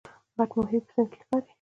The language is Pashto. غټ ماهی په سیند کې ښکاري